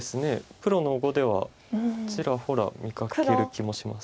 プロの碁ではちらほら見かける気もします。